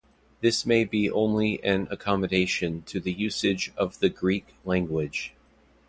This may be only an accommodation to the usage of the Greek language.